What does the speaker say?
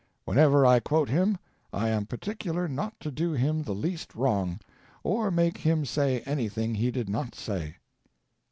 Whenever I quote him, I am particular not to do him the least wrong, or make him say anything he did not say.